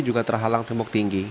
juga terhalang tembok tinggi